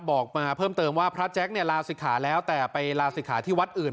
บอกมาเพิ่มเติมว่าพระแจ๊คเนี่ยลาศิกขาแล้วแต่ไปลาศิกขาที่วัดอื่น